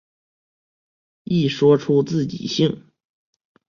一说出自己姓。